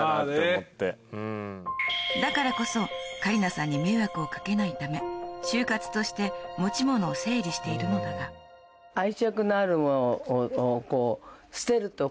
だからこそカリナさんに迷惑を掛けないため終活として持ち物を整理しているのだがやっぱり。